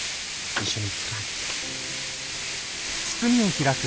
一緒に作らんけ？